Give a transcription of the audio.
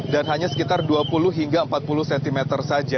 hanya sekitar dua puluh hingga empat puluh cm saja